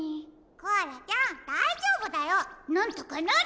コアラちゃんだいじょうぶだよなんとかなる！